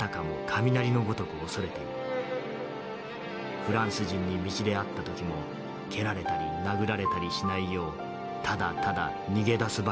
フランス人に道で会った時も蹴られたり殴られたりしないようただただ逃げ出すばかりである」。